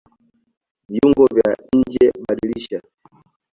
Viungo vya njeBadilisha